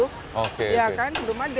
ya kan belum ada